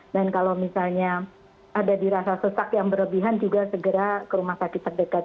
dan kalau misalnya ada dirasa sesak yang berlebihan juga segera ke rumah sakit terdekat